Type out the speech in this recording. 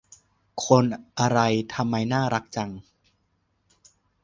คนอะไรทำไมน่ารักจัง